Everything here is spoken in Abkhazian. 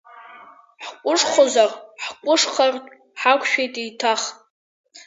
Ҳҟәышхозар, ҳҟәышхартә ҳақәшәеит еиҭах.